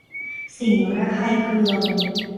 สิ่งระคายเคือง